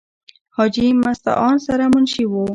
حاجې مستعان سره منشي وو ۔